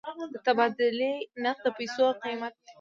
د تبادلې نرخ د پیسو قیمت دی.